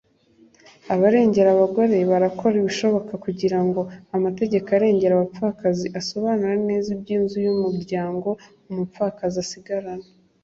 abarengera abagore barakora ibishoboka kugira ngo amategeko arengera abapfakazi asobanure neza iby'inzu y'umuryango umupfakazi asigarana